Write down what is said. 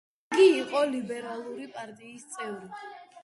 იგი იყო ლიბერალური პარტიის წევრი.